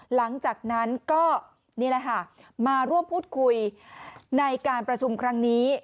หลังจากนั้นก็มาร่วมพูดคุยในการประชุมครั้งนี้